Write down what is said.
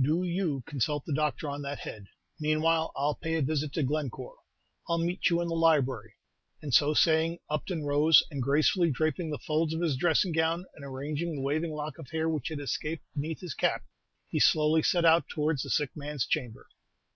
"Do you consult the doctor on that head; meanwhile, I 'll pay a visit to Glencore. I 'll meet you in the library." And so saying, Upton rose, and gracefully draping the folds of his dressing gown, and arranging the waving lock of hair which had escaped beneath his cap, he slowly set out towards the sick man's chamber.